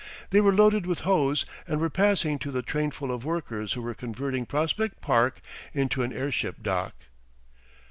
They were loaded with hose, and were passing to the trainful of workers who were converting Prospect Park into an airship dock.